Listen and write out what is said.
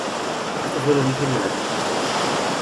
Este fue el origen de las Epístolas.